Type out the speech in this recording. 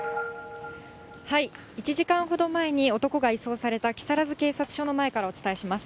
１時間ほど前に男が移送された木更津警察署の前からお伝えします。